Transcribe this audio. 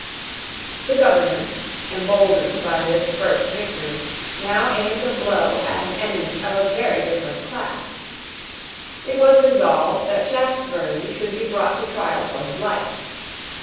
The government, emboldened by this first victory, now aimed a blow at an enemy of a very different class. It was resolved that Shaftesbury should be brought to trial for his life.